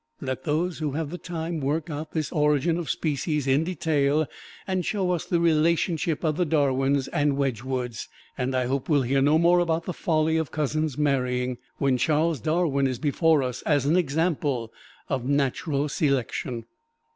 Let those who have the time work out this origin of species in detail and show us the relationship of the Darwins and Wedgwoods. And I hope we'll hear no more about the folly of cousins marrying, when Charles Darwin is before us as an example of natural selection.